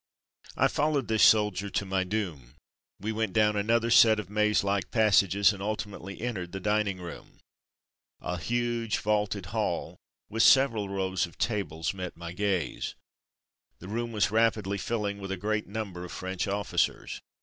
I followed this soldier to my doom. We went down another set of maze like passages and ultimately entered the Underground Halls 195 dining hall. A huge, vaulted hall, with several rows of tables, met my gaze. The room was rapidly filling with a great number of French officers.